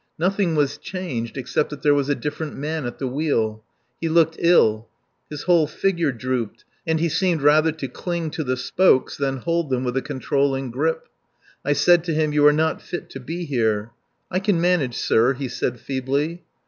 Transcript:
Nothing was changed except that there was a different man at the wheel. He looked ill. His whole figure drooped, and he seemed rather to cling to the spokes than hold them with a controlling grip. I said to him: "You are not fit to be here." "I can manage, sir," he said feebly.